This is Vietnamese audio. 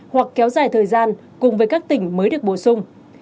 hoặc kéo dài thời gian cùng với các tỉnh mới được bổ sung